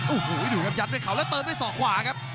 โอ้โหดูครับยัดได้ข่าวแล้วเติมได้ส่อขวาครับ